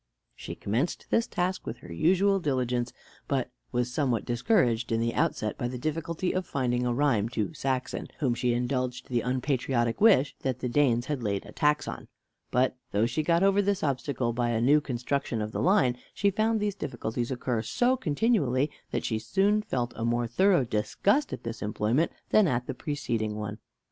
She commenced this task with her usual diligence; but was somewhat discouraged in the outset by the difficulty of finding a rhyme to Saxon, whom she indulged the unpatriotic wish that the Danes had laid a tax on. But, though she got over this obstacle by a new construction of the line, she found these difficulties occur so continually that she soon felt a more thorough disgust at this employment than at the preceding one.